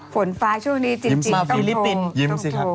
ฝนฟ้าช่วงนี้จิตก็โทง